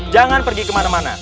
jangan pergi kemana mana